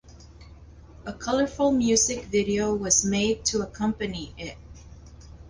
A colorful music video was made to accompany it.